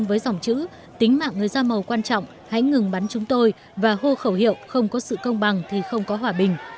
với dòng chữ tính mạng người da màu quan trọng hãy ngừng bắn chúng tôi và hô khẩu hiệu không có sự công bằng thì không có hòa bình